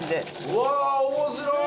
うわあ面白い！